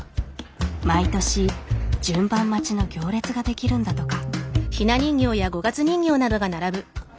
毎年順番待ちの行列が出来るんだとか。